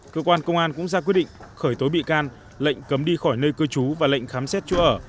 cơ quan công an cũng ra quyết định khởi tố bị can lệnh cấm đi khỏi nơi cư trú và lệnh khám xét chỗ ở